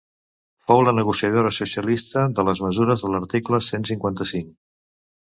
Fou la negociadora socialista de les mesures de l’article cent cinquanta-cinc.